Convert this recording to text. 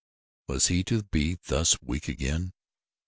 Was he to be thus weak again?